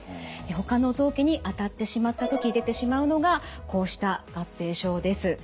ほかの臓器に当たってしまった時出てしまうのがこうした合併症です。